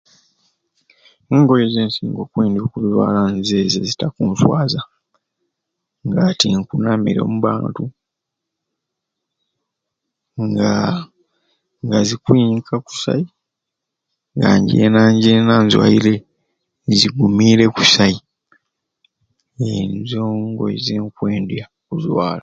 Engoye zensinga okwendya okuzwala nizeezo ezitakunswaza nga tinkunamiire omubantu, ngaa nga zikunyika kusai nga njeena njeena nzwaire nzigumiire kusai niizoo ngoye zenkwendya okuzwala